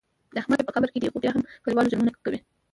د احمد پښې په قبر کې دي خو بیا هم په کلیوالو ظلمونه کوي.